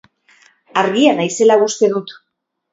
Argia naizela uste dut.